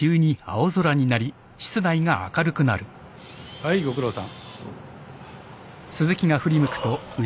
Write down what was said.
はいご苦労さん。